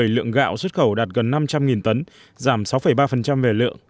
lượng gạo xuất khẩu đạt gần năm trăm linh tấn giảm sáu ba về lượng